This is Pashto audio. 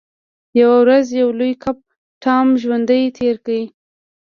یوه ورځ یو لوی کب ټام ژوندی تیر کړ.